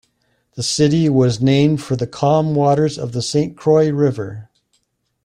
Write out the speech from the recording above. The city was named for the calm waters of the Saint Croix River.